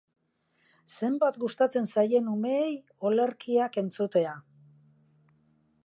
Zenbat gustatzen zaien umeei olerkiak entzutea!